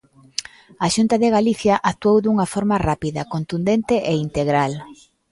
A Xunta de Galicia actuou dunha forma rápida, contundente e integral.